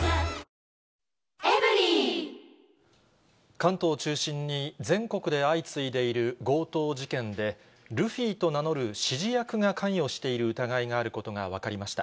関東を中心に、全国で相次いでいる強盗事件で、ルフィと名乗る指示役が関与している疑いがあることが分かりました。